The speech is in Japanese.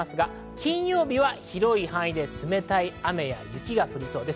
金曜日は広い範囲で冷たい雨や雪が降りそうです。